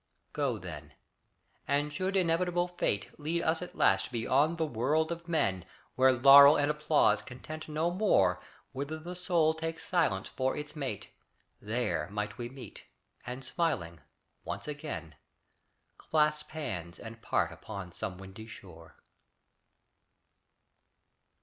Go, then; and should inevitable fate Lead us at last beyond the world of men Where laurel and applause content no more, Whither the soul takes silence for its mate, There might we meet, and, smiling, once again Clasp hands and part upon some windy shore.